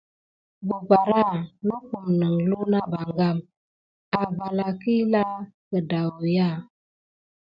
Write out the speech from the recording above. Bəbara ɗaki naku neglunaba kam avalakila kidawuya.